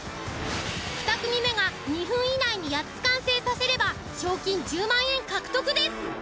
２組目が２分以内に８つ完成させれば賞金１０万円獲得です。